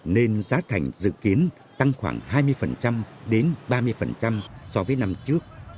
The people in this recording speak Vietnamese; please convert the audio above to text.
nên giá thành dự kiến tăng khoảng hai mươi đến ba mươi so với năm trước